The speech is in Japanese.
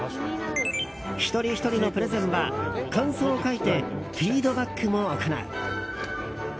一人ひとりのプレゼンは感想を書いてフィードバックも行う。